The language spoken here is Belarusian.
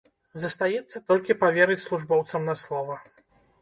Застаецца толькі паверыць службоўцам на слова.